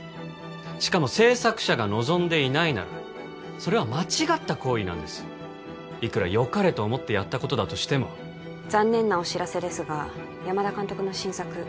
しかも製作者が望んでいないならそれは間違った行為なんですいくら良かれと思ってやったことだとしても残念なお知らせですが山田監督の新作